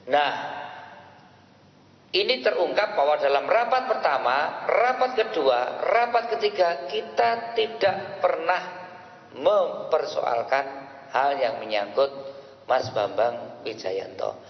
nah ini terungkap bahwa dalam rapat pertama rapat kedua rapat ketiga kita tidak pernah mempersoalkan hal yang menyangkut mas bambang wijayanto